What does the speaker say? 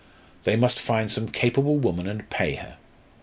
They must find some capable woman and pay her.